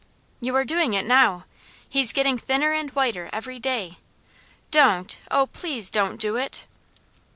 You are doing it now! He's getting thinner and whiter every day. Don't! Oh please don't do it!"